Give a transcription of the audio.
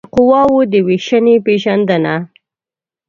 د قواوو د وېشنې پېژندنه